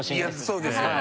そうですね